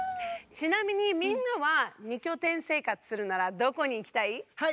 ちなみにみんなは二拠点生活するならどこにいきたい？